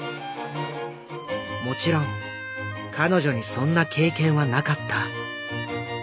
もちろん彼女にそんな経験はなかった。